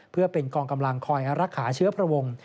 เพื่อเป็นกองกำลังคอยรักษาเชื้อพระวงศ์